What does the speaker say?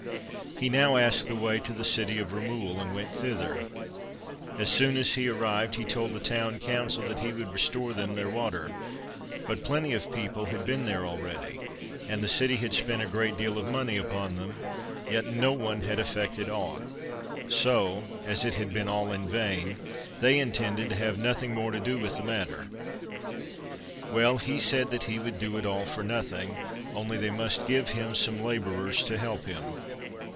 He now asked the way to the city of Ramul, and went thither. As soon as he arrived, he told the town council that he would restore them their water. But plenty of people had been there already, and the city had spent a great deal of money upon them, yet no one had effected aught, so, as it had been all in vain, they intended to have nothing more to do with the matter. Well, he said that he would do it all for nothing, only they must give him some labourers to help him.